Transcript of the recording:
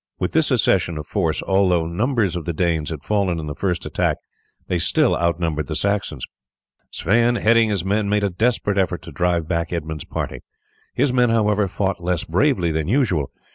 With this accession of force, although numbers of the Danes had fallen in the first attack, they still outnumbered the Saxons. Sweyn, heading his men, made a desperate effort to drive back Edmund's party. His men, however, fought less bravely than usual.